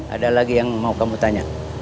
ada lagi yang mau kamu tanya